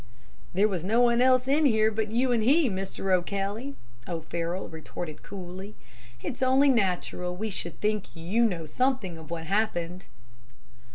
"'There was no one else in here but you and he, Mr. Kelly,' O'Farroll retorted coolly. 'It's only natural we should think you know something of what happened!'